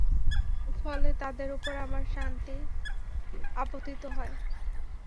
ফলে তাদের উপর আমার শান্তি আপতিত হয়।